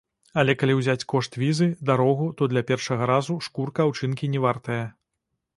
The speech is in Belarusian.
Але калі ўзяць кошт візы, дарогу, то для першага разу шкурка аўчынкі не вартая.